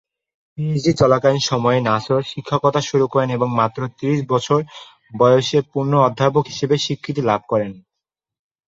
PhD চলাকালীন সময়েই নাসর শিক্ষকতা শুরু করেন এবং মাত্র ত্রিশ বছর বয়সে পূর্ণ অধ্যাপক হিসেবে স্বীকৃতি লাভ করেন।